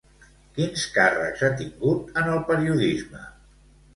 Quins càrrecs ha tingut en el periodisme?